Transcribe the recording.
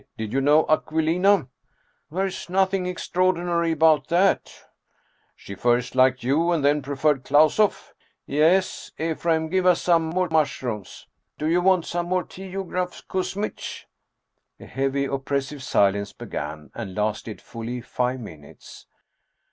Did you know Aquilina ?"" There's nothing extraordinary about that "" She first liked you and then preferred Klausoff?" " Yes. Ephraim, give us some more mushrooms ! Do you want some more tea, Eugraph Kuzmitch ?" A heavy, oppressive silence began and lasted fully five minutes.